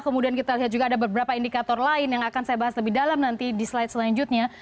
kemudian kita lihat juga ada beberapa indikator lain yang akan saya bahas lebih dalam nanti di slide selanjutnya